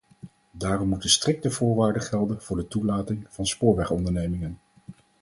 Daarom moeten strikte voorwaarden gelden voor de toelating van spoorwegondernemingen.